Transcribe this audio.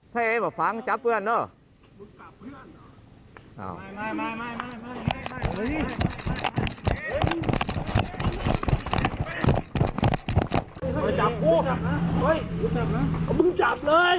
คุยกับเพื่อนก่อนดีกว่า